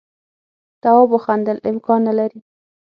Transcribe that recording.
تواب وخندل امکان نه لري.